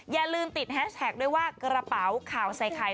อย่าลืมติดแฮชแท็กด้วยว่ากระเป๋าข่าวใส่ไข่